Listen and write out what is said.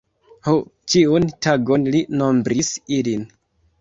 Ho, ĉiun tagon li nombris ilin.